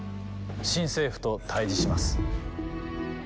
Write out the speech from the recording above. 新政府と対じします。